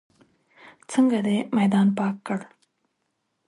څنګه دې میدان پاک کړ.